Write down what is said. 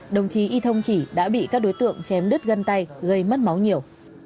đồng chí y thông chỉ đã bị các đối tượng chém đứt găng tay gây mất máu nhiều